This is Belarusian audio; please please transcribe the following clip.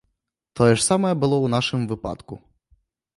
Тое ж самае было ў нашым выпадку.